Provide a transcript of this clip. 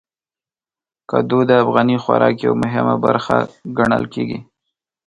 کدو د افغاني خوراک یو مهم برخه ګڼل کېږي.